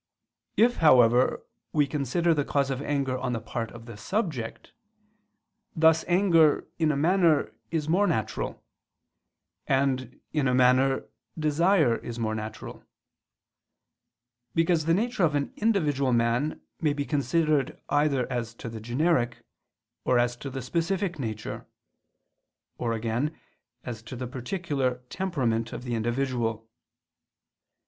If, however, we consider the cause of anger on the part of the subject, thus anger, in a manner, is more natural; and, in a manner, desire is more natural. Because the nature of an individual man may be considered either as to the generic, or as to the specific nature, or again as to the particular temperament of the individual.